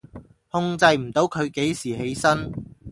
控制唔到佢幾時起身？